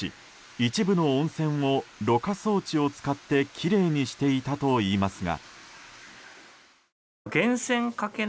一部の温泉をろ過装置を使ってきれいにしていたといいますが。